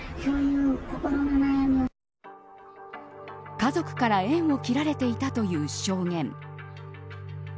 家族から縁を切られていたという証言。